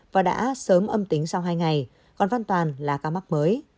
và đã sớm âm tính sau hai ngày còn văn toàn là ca mắc mới